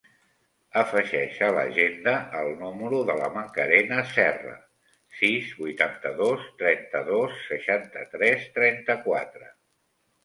Afegeix a l'agenda el número de la Macarena Serra: sis, vuitanta-dos, trenta-dos, seixanta-tres, trenta-quatre.